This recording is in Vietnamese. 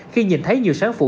khi nhìn thấy nhiều sáng phụ